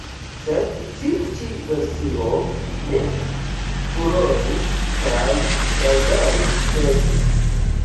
Sed tiu ĉi versio ne furoris kaj baldaŭ ĉesis.